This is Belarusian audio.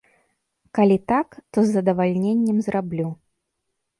Калі так, то з задавальненнем зраблю.